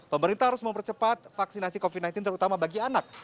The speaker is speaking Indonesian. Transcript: pemerintah harus mempercepat vaksinasi covid sembilan belas terutama bagi anak